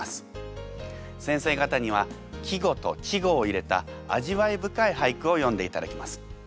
先生方には季語と稚語を入れた味わい深い俳句を詠んでいただきます。